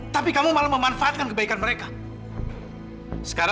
tapi ternyata ayu tuh salah